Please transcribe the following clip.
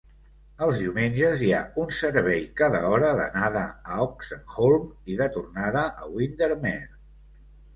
Els diumenges hi ha un servei cada hora d'anada a Oxenholme i de tornada a Windermere.